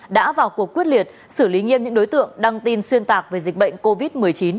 đã vào cuộc quyết liệt xử lý nghiêm những đối tượng đăng tin xuyên tạc về dịch bệnh covid một mươi chín